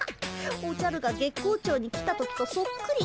おじゃるが月光町に来た時とそっくり。